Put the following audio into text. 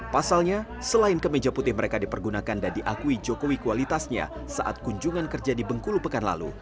pasalnya selain kemeja putih mereka dipergunakan dan diakui jokowi kualitasnya saat kunjungan kerja di bengkulu pekan lalu